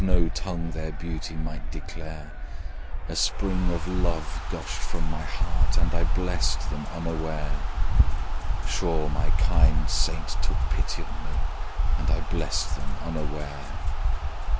no tongue Their beauty might declare: A spring of love gushed from my heart, And I blessed them unaware: Sure my kind saint took pity on me, And I blessed them unaware.